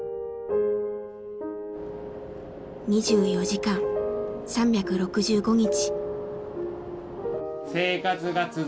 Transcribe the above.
２４時間３６５日。